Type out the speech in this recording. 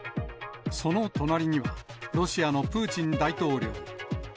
その隣には、ロシアのプーチン大統領。